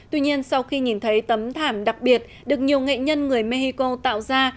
tuy nhiên sau khi nhìn thấy tấm thảm đặc biệt được nhiều nghệ nhân người mexico tạo ra